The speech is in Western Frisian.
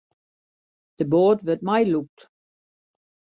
De boat wurdt meilûkt.